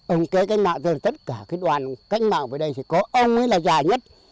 ông kế canh mạng tất cả các đoàn canh mạng ở đây sẽ có ông ấy là già nhất